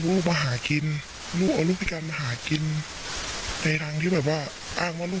อยู่ดังที่นี่แม่สามีนะเธอไม่ยอมมาดู